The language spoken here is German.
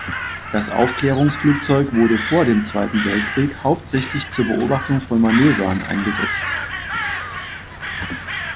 Das Aufklärungsflugzeug wurde vor dem Zweiten Weltkrieg hauptsächlich zur Beobachtung von Manövern eingesetzt.